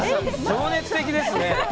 情熱的ですね。